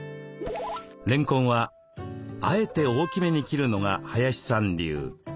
れんこんはあえて大きめに切るのが林さん流。